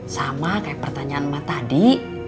sama kayak pertanyaan mbak tadi